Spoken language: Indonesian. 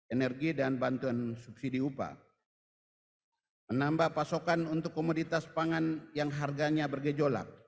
energi dan bantuan subsidi upah menambah pasokan untuk komoditas pangan yang harganya bergejolak